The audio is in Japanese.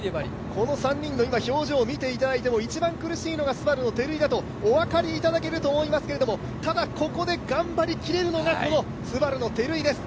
この３人の表情を見ていただいても、一番苦しいのがＳＵＢＡＲＵの照井だとお分かりいただけると思いますけど、ただ、ここで頑張りきれるのがＳＵＢＡＲＵの照井です。